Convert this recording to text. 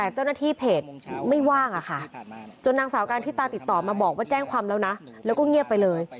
จนนางสาวการที่ตาติดต่อมาบอกว่าแจ้งความแล้วนะแล้วก็เงียบไปเลย